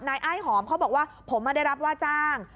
อ้ายหอมเขาบอกว่าผมไม่ได้รับว่าจ้าง